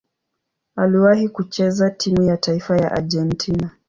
Aliwahi kucheza timu ya taifa ya Argentina.